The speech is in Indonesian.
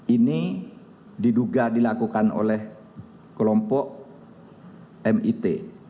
ini diduga dilakukan oleh kelompok mit